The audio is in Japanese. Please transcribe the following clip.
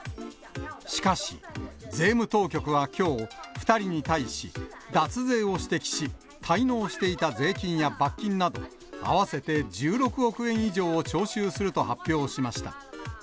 しかし、税務当局はきょう、２人に対し、脱税を指摘し、滞納していた税金や罰金など、合わせて１６億円以上を徴収すると発表しました。